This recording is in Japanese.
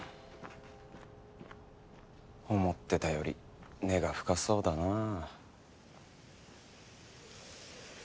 思ってたより根が深そうだな。